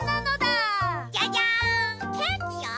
ケーキよ！